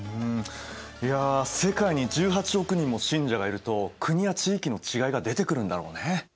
いや世界に１８億人も信者がいると国や地域の違いが出てくるんだろうね。